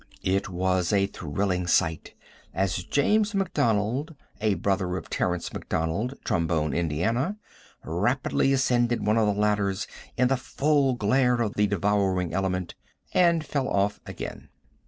It was a thrilling sight as James McDonald, a brother of Terrance McDonald, Trombone, Ind., rapidly ascended one of the ladders in the full glare of the devouring element and fell off again.